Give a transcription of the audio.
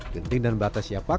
genting dan bata siapakan